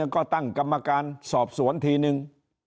ก็ตั้งกรรมการสอบสวนทีนึง